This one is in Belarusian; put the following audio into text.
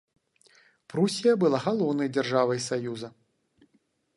Прусія была галоўнай дзяржавай саюза.